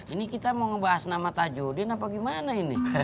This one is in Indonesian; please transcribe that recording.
ini kita mau ngebahas nama tajudin apa gimana ini